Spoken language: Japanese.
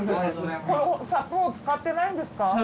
これ砂糖使ってないんですか？